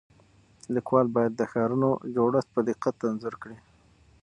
لیکوال باید د ښارونو جوړښت په دقت انځور کړي.